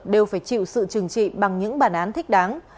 đều phải chịu sự trừng trị bằng những bản án thích đáng